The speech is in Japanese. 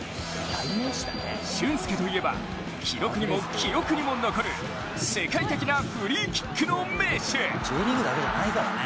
俊輔といえば、記録にも記憶にも残る世界的なフリーキックの名手。